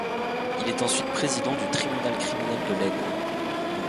Il est ensuite président du tribunal criminel de l'Aisne.